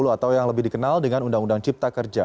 atau yang lebih dikenal dengan undang undang cipta kerja